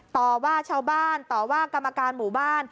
ต่อว่าชาวบ้านต่อว่ากรรมการหมู่บ้าน